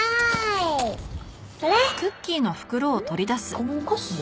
このお菓子？